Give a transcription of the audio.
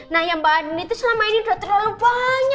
nah ya mbak andin itu selama ini udah terlalu banyak bantuin dia